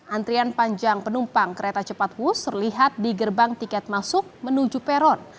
antrian panjang penumpang kereta cepat wus terlihat di gerbang tiket masuk menuju peron